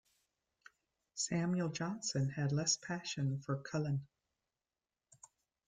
Samuel Johnson had less passion for Cullen.